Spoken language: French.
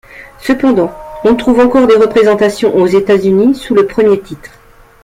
Cependant, on trouve encore des représentations aux États-Unis sous le premier titre.